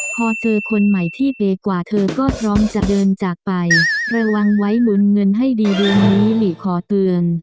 พอเจอคนใหม่ที่เบกว่าเธอก็พร้อมจะเดินจากไประวังไว้หมุนเงินให้ดีเดือนนี้หลีขอเตือน